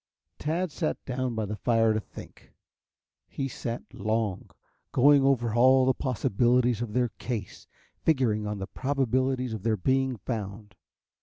Tad sat down by the fire to think. He sat long, going over all the possibilities of their case, figuring on the probabilities of their being found.